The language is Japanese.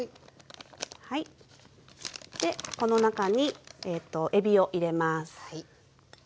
でこの中にえびを入れます。